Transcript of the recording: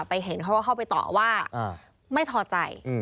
เห็นเขาก็เข้าไปต่อว่าไม่พอใจ